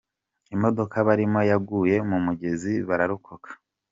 Imodoka barimo yaguye mu mugezi bararokoka